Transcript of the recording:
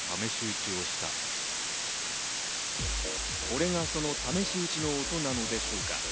これがその試し撃ちの音なのでしょうか。